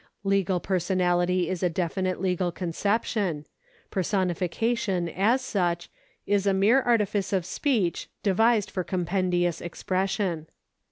Legal personality is a definite legal conception ; personification, as such, is a mere artifice of speech devised for compendious expression.